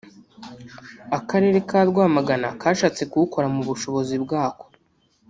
Akarere ka Rwamagana kashatse kuwukora mu bushobozi bwako